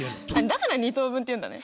だから２等分っていうんだね。